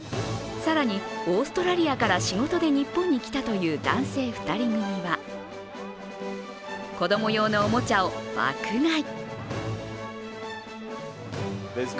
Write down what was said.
更にオーストラリアから仕事で日本に来たという男性２人組は、子供用のおもちゃを爆買い。